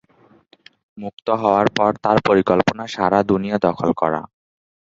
মুক্ত হওয়ার পর তার পরিকল্পনা সারা দুনিয়া দখল করা।